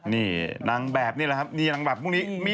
นางแบบนี่มีรักษีสู้ไดนี่